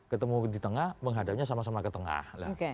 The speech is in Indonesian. ketemu di tengah menghadapnya sama sama ke tengah